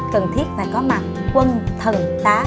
cần thiết phải có mặt quân thần